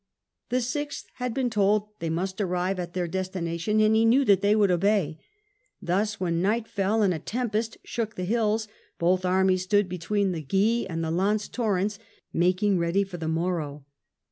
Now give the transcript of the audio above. The Sixth had been told they must arrive at their destination, and he knew they would obey. Thus, when night fell and a tempest shook the hills, both armies stood between the Guy and the Lanz torrents, making ready for the morrow.